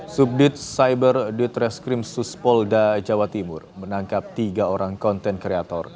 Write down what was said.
subdit cyber ditreskrim suspolda jawa timur menangkap tiga orang konten kreator